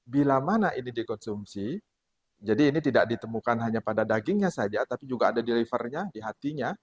bila mana ini dikonsumsi jadi ini tidak ditemukan hanya pada dagingnya saja tapi juga ada delivernya di hatinya